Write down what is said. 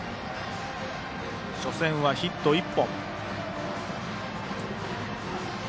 初戦はヒット１本。